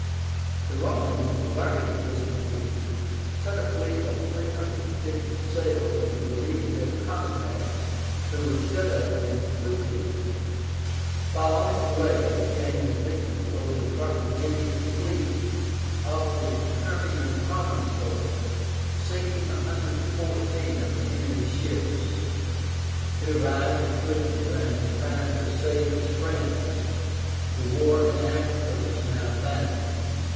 The Romans, learning of this defeat, sent a fleet of 350 sail to relieve their comrades who were shut up in Clupea. While on its way, it gained a victory over the Carthaginian fleet off the Herméan promontory, sinking 114 of the enemy's ships. It arrived at Clupea in time to save its friends. The war in Africa was now abandoned.